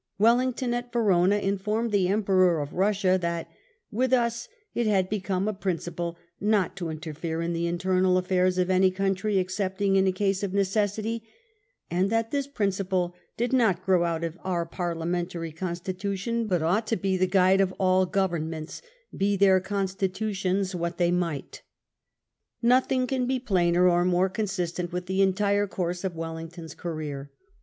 Wellington at Verona informed the Emperor of Eussia that " with us it had become a principle not to interfere in the internal affairs of any country excepting in a case of necessity," and that this principle did not grow out of our parliamentary constitution, but ought to be " the guide of all governments, be their constitutions what 232 WELLINGTON they might." Nothing can be plainer or more consistent with the entire course of Wellington's career.